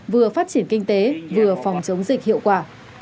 vừa phát triển kinh tế vừa phòng chống dịch hiệu quả